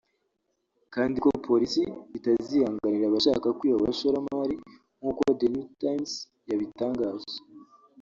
kandi ko Polisi itazihanganira abashaka kwiba abashoramari nk’uko The New Times yabitangaje